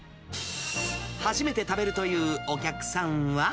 初めて食べるというお客さんは。